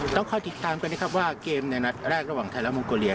ต้องคอยติดตามกันนะครับว่าเกมในนัดแรกระหว่างไทยและมองโกเลีย